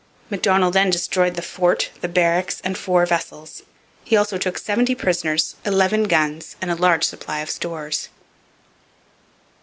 Macdonell then destroyed the fort, the barracks, and four vessels. He also took seventy prisoners, eleven guns, and a large supply of stores.